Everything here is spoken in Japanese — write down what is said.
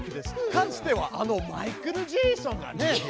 かつてはあのマイケル・ジェイソンがね。